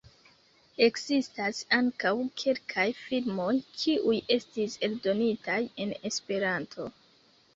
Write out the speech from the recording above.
Ekzistas ankaŭ kelkaj filmoj, kiuj estis eldonitaj en Esperanto.